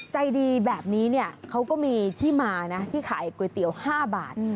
ใจดีแบบนี้เนี่ยเขาก็มีที่มานะที่ขายก๋วยเตี๋ยว๕บาท